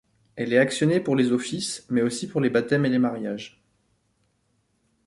Elle est actionnée pour les offices, mais aussi pour les baptêmes et les mariages.